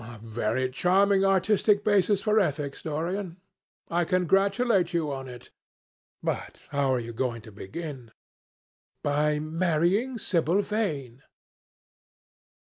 "A very charming artistic basis for ethics, Dorian! I congratulate you on it. But how are you going to begin?" "By marrying Sibyl Vane."